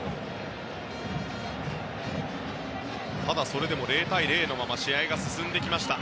それでも０対０のまま試合が進んできました。